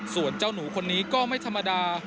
ส่วนเจ้าหนูคนนี้ก็ไม่ธรรมดา